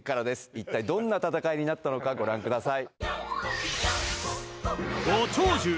一体どんな戦いになったのかご覧ください